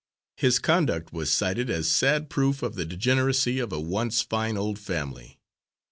His conduct was cited as sad proof of the degeneracy of a once fine old family.